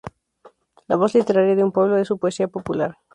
La voz literaria de un pueblo es su poesía popular.